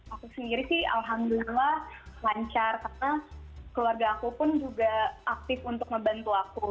aku sendiri sih alhamdulillah lancar karena keluarga aku pun juga aktif untuk membantu aku